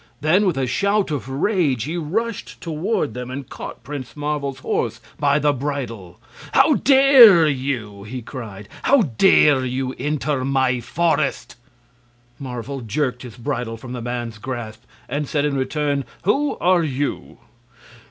Then, with a shout of rage, he rushed toward them and caught Prince Marvel's horse by the bridle. "How dare you!" he cried; "how dare you enter my forest?" Marvel jerked his bridle from the man's grasp and said in return: "Who are you?"